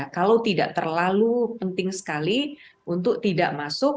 kalau tidak terlalu penting sekali untuk tidak masuk